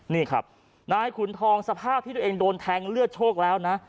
นี่ครับนายขุนทองสภาพที่ตัวเองโดนแทงเลือดโชคแล้วนะ